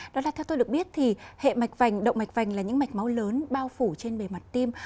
đó là theo tôi được biết thì hệ mạch vành động mạch vành là những mạch máu lớn bao phủ trên bề mặt tim